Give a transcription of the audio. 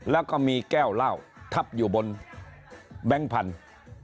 แล้วก็มีแก้วเหล้าทับอยู่บนแบงค์พันธุ์